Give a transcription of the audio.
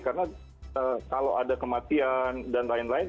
karena kalau ada kematian dan lain lain